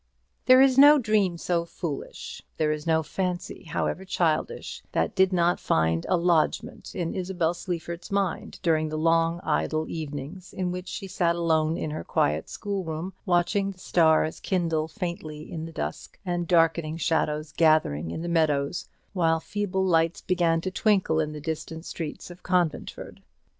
There is no dream so foolish, there is no fancy however childish, that did not find a lodgment in Isabel Sleaford's mind during the long idle evenings in which she sat alone in her quiet school room, watching the stars kindle faintly in the dusk, and the darkening shadows gathering in the meadows, while feeble lights began to twinkle in the distant streets of Conventford.